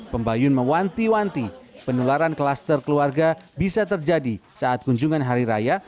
pembayun mewanti wanti penularan klaster keluarga bisa terjadi saat kunjungan hari raya